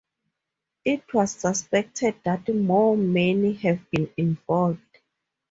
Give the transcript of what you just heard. It was suspected that more may have been involved.